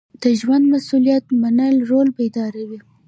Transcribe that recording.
د ژوند مسؤلیت منل روح بیداروي.